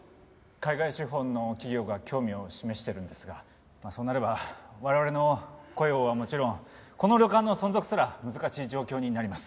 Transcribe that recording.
海外資本の企業が興味を示しているんですがそうなれば我々の雇用はもちろんこの旅館の存続すら難しい状況になります。